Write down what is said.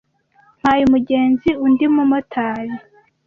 ntwaye umugenzi undi mumotari